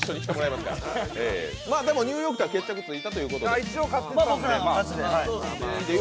でもニューヨークと決着がついたということで。